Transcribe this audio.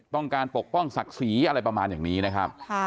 ปกป้องศักดิ์ศรีอะไรประมาณอย่างนี้นะครับ